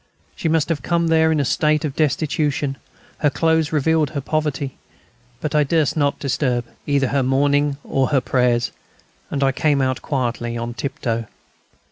She must have come there in a state of destitution: her clothes revealed her poverty. But I durst not disturb either her mourning or their prayers, and I came out quietly on tiptoe.